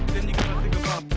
tidak dia sudah kembali